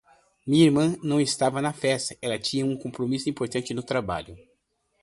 Minha irmã não estava na festa, ela tinha um compromisso importante no trabalho.